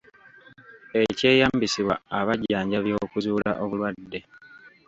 Ekyeyambisibwa abajjanjabi okuzuula obulwadde.